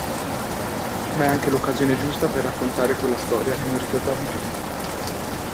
Ma è anche l'occasione giusta per raccontare quella storia che non ricordavi più.